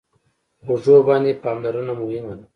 په غوږو باندې پاملرنه مهمه ده.